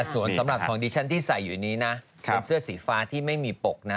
ส่วนสำหรับของดิฉันที่ใส่อยู่นี้นะเป็นเสื้อสีฟ้าที่ไม่มีปกนะ